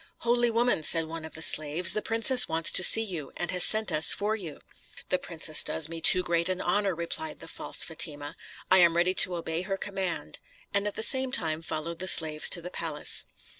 "Holy woman," said one of the slaves, "the princess wants to see you, and has sent us for you." "The princess does me too great an honor," replied the false Fatima; "I am ready to obey her command," and at the same time followed the slaves to the palace.